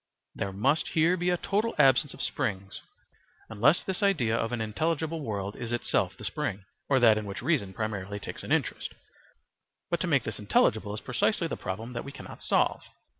There must here be a total absence of springs; unless this idea of an intelligible world is itself the spring, or that in which reason primarily takes an interest; but to make this intelligible is precisely the problem that we cannot solve.